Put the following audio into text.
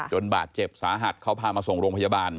บาดเจ็บสาหัสเขาพามาส่งโรงพยาบาล